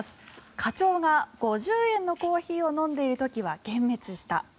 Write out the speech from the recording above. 課長が５０円のコーヒーを飲んでいる時は幻滅した。